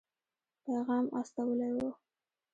پیغام استولی وو.